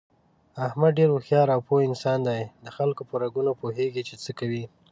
احمد ډېر هوښیار او پوه انسان دی دخلکو په رګونو پوهېږي، چې څه کوي...